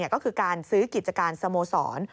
ก็คือการซื้อกิจการสโมสร